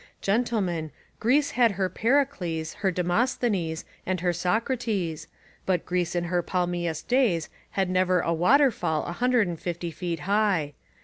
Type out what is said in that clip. Gentlemen, Greece had her Peri cles, her Demosthenes and her Socrates, but Greece in her palmiest days had never a waterfall a hundred and fifty feet high.